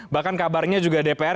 bahkan kabarnya juga dpr